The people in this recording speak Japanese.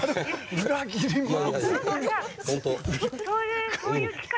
裏切り者。